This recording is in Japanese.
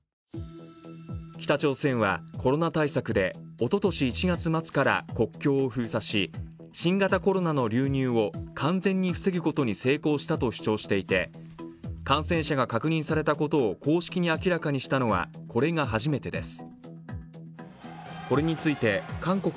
北朝鮮はコロナ対策で、おととし１月末から国境を封鎖し、新型コロナの流入を完全に防ぐことに成功したと主張していて感染者が確認されたことを公式に明らかにしたのは、これが初めてです。